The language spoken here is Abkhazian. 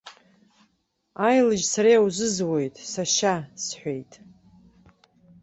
Аилаџь сара иузызуеит, сашьа, сҳәеит.